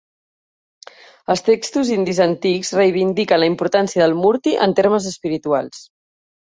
Els textos indis antics reivindiquen la importància del "murti" en termes espirituals.